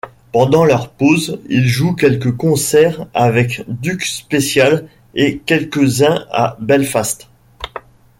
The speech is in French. Pendant leur pause, ils jouent quelques concerts avec Duke Special et quelques-uns à Belfast.